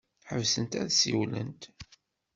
Ḥebsent ad ssiwlent.